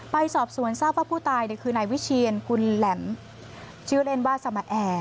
ไปสอบสวนทราบว่าผู้ตายคือนายวิเชียนกุลแหลมชื่อเล่นว่าสมาแอร์